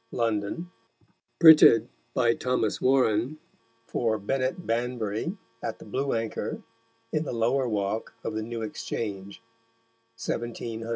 London: Printed by Tho. Warren, for Bennet Banbury, at the Blue Anchor, in the Lower Walk of the New Exchange_, 1700.